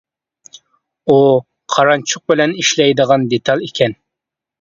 ئۇ قارانچۇق بىلەن ئىشلەيدىغان دېتال ئىكەن.